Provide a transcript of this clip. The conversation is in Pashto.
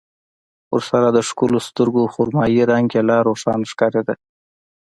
ورسره د ښکلو سترګو خرمايي رنګ يې لا روښانه ښکارېده.